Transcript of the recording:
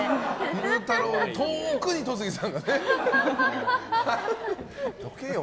昼太郎、遠くに戸次さんがね。どけよ。